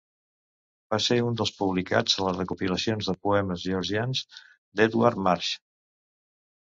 Va ser un dels publicats a les recopilacions de poemes georgians d'Edward Marsh.